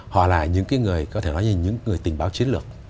họ là những người có thể nói như những người tình báo chiến lược